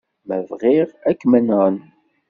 Ma bɣiɣ, ad kem-nɣen.